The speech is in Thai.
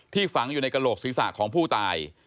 ฝังอยู่ในกระโหลกศีรษะของผู้ตาย